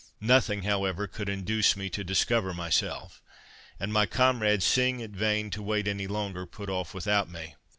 Nothing, however, could induce me to discover myself; and my comrades seeing it vain to wait any longer, put off without me.